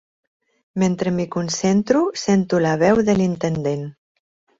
Mentre m'hi concentro sento la veu de l'intendent.